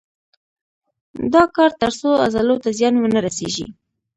دا کار تر څو عضلو ته زیان ونه رسېږي.